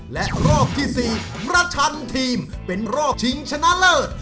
และรอบที่๔ประชันทีมเป็นรอบชิงชนะเลิศ